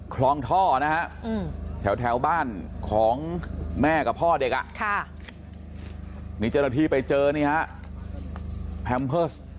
คลองท่อนะครับ